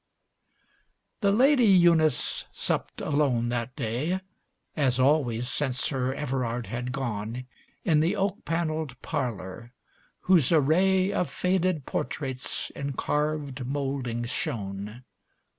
XIX The Lady Eunice supped alone that day, As always since Sir Everard had gone, In the oak panelled parlour, whose array Of faded portraits in carved mouldings shone.